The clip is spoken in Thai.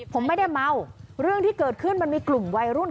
ผมไม่ได้เมาเรื่องที่เกิดขึ้นมันมีกลุ่มวัยรุ่น